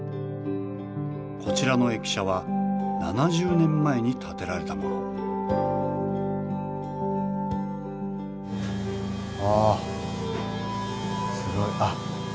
こちらの駅舎は７０年前に建てられたものあすごい。